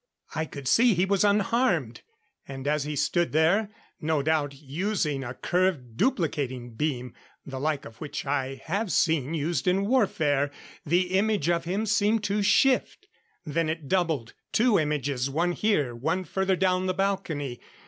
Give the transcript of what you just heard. I could see he was unharmed; and as he stood there, no doubt using a curved, duplicating beam, the like of which I have seen used in warfare, the image of him seemed to shift. Then it doubled two images, one here, one further down the balcony.